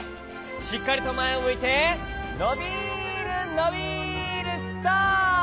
しっかりとまえをむいてのびるのびるストップ！